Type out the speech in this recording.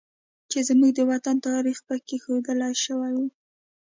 چې زموږ د وطن تاریخ پکې ښودل شوی و